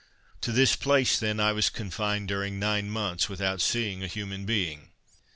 To this place then was I confined during nine months, without seeing a human being.